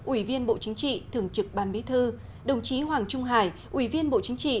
ủy viên bộ chính trị thường trực ban bí thư đồng chí hoàng trung hải ủy viên bộ chính trị